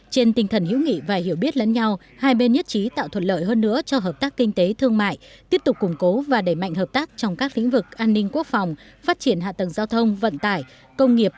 trên tinh thần hiểu nghị và hiểu biết lẫn nhau hai bên nhất trí tạo thuận lợi hơn nữa cho hợp tác kinh tế thương mại tiếp tục củng cố và đẩy mạnh hợp tác trong các lĩnh vực an ninh quốc phòng phát triển hạ tầng giao thông vận tải công nghiệp